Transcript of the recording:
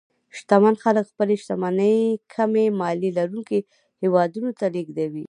شتمن خلک خپلې شتمنۍ کمې مالیې لرونکو هېوادونو ته لېږدوي.